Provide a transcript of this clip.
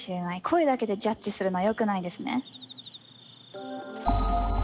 声だけでジャッジするのはよくないですね。